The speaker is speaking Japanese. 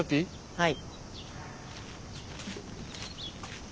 はい。